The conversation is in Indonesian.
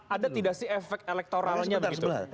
ada tidak sih efek elektoralnya bang